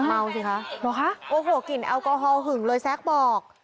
เอ้าสิคะโอ้ฮะโอ้โหกลิ่นแอลกอฮอล์หึงเลยสักบอก